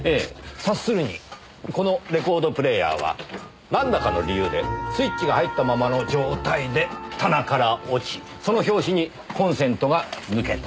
察するにこのレコードプレーヤーはなんらかの理由でスイッチが入ったままの状態で棚から落ちその拍子にコンセントが抜けた。